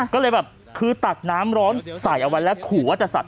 ก็เลยแบบคือตักน้ำร้อนใส่เอาไว้แล้วขู่ว่าจะสัด